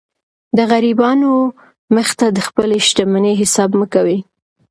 د غریبانو و مخ ته د خپلي شتمنۍ حساب مه کوئ!